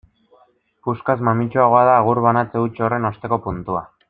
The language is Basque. Puskaz mamitsuagoa da agur banatze huts horren osteko puntua.